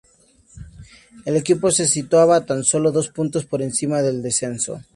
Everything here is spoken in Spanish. El equipo se situaba tan sólo dos puntos por encima del descenso.